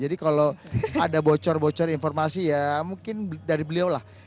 jadi kalau ada bocor bocor informasi ya mungkin dari beliulah